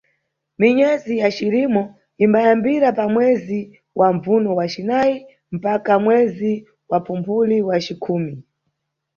Minyezi ya Cirimo imbayambira pa mwezi wa Mbvuno wacinayi mpaka mwezi wa Phumphuli wacikhumi.